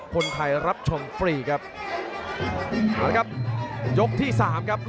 คนไทยรับชมฟรีครับ